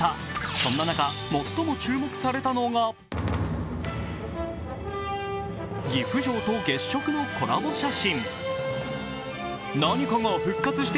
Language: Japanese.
そんな中、最も注目されたのが、岐阜城と月食のコラボ写真。